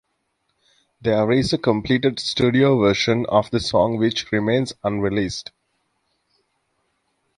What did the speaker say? There is a completed studio version of the song which remains unreleased.